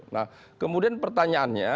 nah kemudian pertanyaannya